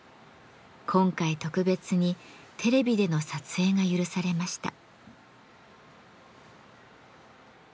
今回特別にテレビでの撮影が許されました。